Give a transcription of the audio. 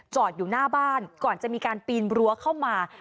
อยู่หน้าบ้านก่อนจะมีการปีนรั้วเข้ามา